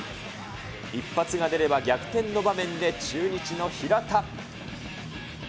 一発が出れば逆転の場面で、中日の平田。